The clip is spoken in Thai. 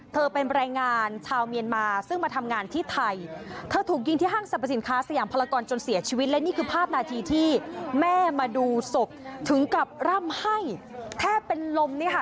เป็นแรงงานชาวเมียนมาซึ่งมาทำงานที่ไทยเธอถูกยิงที่ห้างสรรพสินค้าสยามพลากรจนเสียชีวิตและนี่คือภาพนาทีที่แม่มาดูศพถึงกับร่ำไห้แทบเป็นลมเนี่ยค่ะ